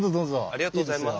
ありがとうございます。